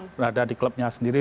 berada di klubnya sendiri